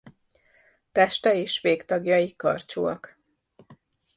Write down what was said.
Teste és végtagjai karcsúak.